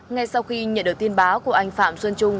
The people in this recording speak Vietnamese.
ngay sau khi nhận được tin báo của anh phạm xuân trung